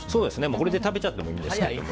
これで食べちゃってもいいんですけどね。